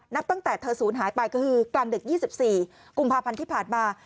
ตั้งแต่เธอศูนย์หายไปก็คือกลางดึก๒๔กุมภาพันธ์ที่ผ่านมา